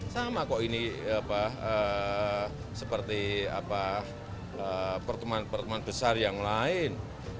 sama kok ini seperti pertemuan pertemuan besar yang lain